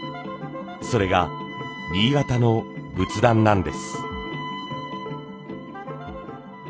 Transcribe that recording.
それが新潟の仏壇なんです。